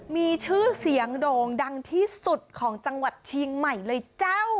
มีชื่อเสียงโด่งดังที่สุดของจังหวัดเชียงใหม่เลยเจ้า